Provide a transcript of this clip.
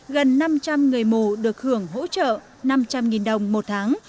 gần năm trăm linh người mù được hưởng hỗ trợ năm trăm linh đồng một tháng